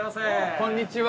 こんにちは。